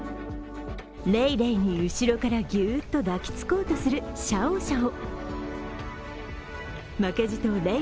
レイレイに後ろからギュッと抱きつこうとするシャオシャオ。